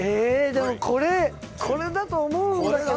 これこれだと思うんだけどな。